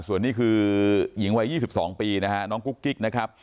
ส่วนนี้คือหญิงวัย๒๒ปีนะฮะน้องกุ๊กกิ๊กนะครับ